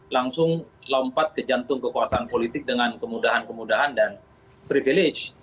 langsung lompat ke jantung kekuasaan politik dengan kemudahan kemudahan dan privilege